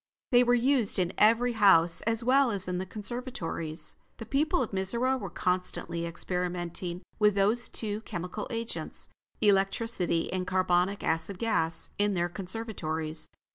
They were used in every house, as well as in the conservatories. The people of Mizora were constantly experimenting with those two chemical agents, electricity and carbonic acid gas, in their conservatories.